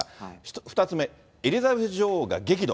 ２つ目、エリザベス女王が激怒。